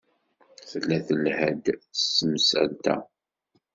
Tella telha-d s temsalt-a.